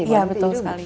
iya betul sekali